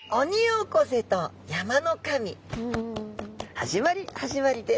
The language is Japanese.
始まり始まりです。